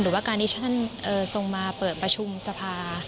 หรือว่าการที่ท่านทรงมาเปิดประชุมสภา